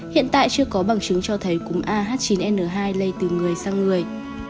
hiện tại chưa có bằng chứng cho thấy cúng ah chín n hai lây từ người sang người